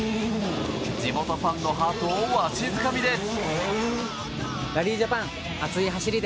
地元ファンのハートをわしづかみです。